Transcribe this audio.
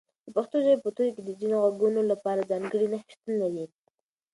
د پښتو ژبې په توري کې د ځینو غږونو لپاره ځانګړي نښې شتون لري.